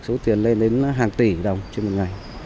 số tiền lên đến hàng tỷ đồng trên một ngày